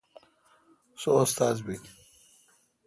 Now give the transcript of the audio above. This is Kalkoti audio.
سو استاد بیل۔